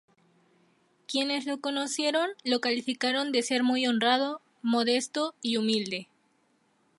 Quienes lo conocieron lo calificaron de ser muy honrado, modesto y humilde.